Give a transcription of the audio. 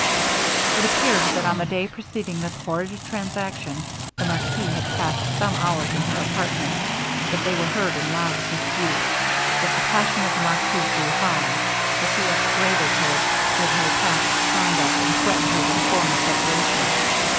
It appeared that on the day preceding this horrid transaction, the marquis had passed some hours in her apartment; that they were heard in loud dispute; that the passion of the marquis grew high; that he upbraided her with her past conduct, and threatened her with a formal separation.